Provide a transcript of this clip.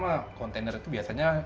lah kontainer itu biasanya